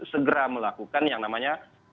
segera melakukan yang namanya